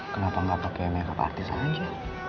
kenapa gak pake makeup artis aja